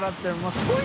すごい。